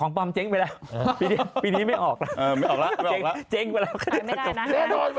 ของปลอมเจ๊งไปแล้วปีนี้ไม่ออกแล้ว